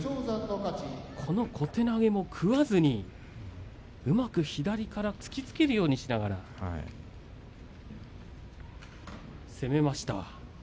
小手投げを食わずにうまく左から突きつけるようにしながら攻めましたね。